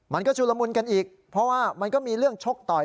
ชุลมุนกันอีกเพราะว่ามันก็มีเรื่องชกต่อย